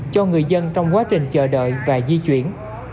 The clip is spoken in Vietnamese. cho người dân trong quá trình chờ đợi và di chuyển